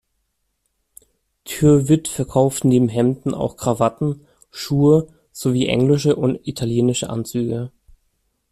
Tyrwhitt verkauft neben Hemden auch Krawatten, Schuhe sowie englische und italienische Anzüge.